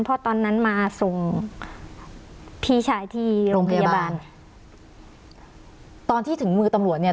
เพราะตอนนั้นมาส่งพี่ชายที่โรงพยาบาลตอนที่ถึงมือตำรวจเนี่ย